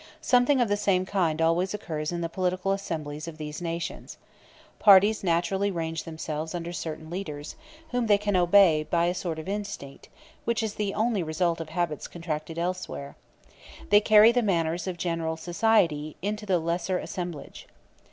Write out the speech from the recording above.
Something of the same kind always occurs in the political assemblies of these nations. Parties naturally range themselves under certain leaders, whom they obey by a sort of instinct, which is only the result of habits contracted elsewhere. They carry the manners of general society into the lesser assemblage.